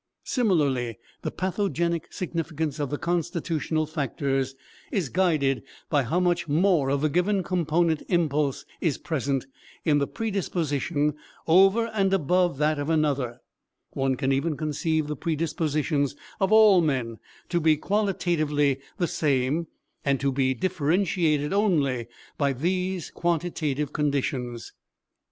Similarly, the pathogenic significance of the constitutional factors is guided by how much more of a given component impulse is present in the predisposition over and above that of another; one can even conceive the predispositions of all men to be qualitatively the same and to be differentiated only by these quantitative conditions.